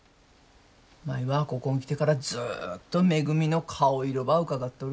舞はここん来てからずっとめぐみの顔色ばうかがっとる。